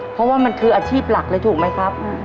เพราะว่ามันคืออาชีพหลักเลยถูกไหมครับ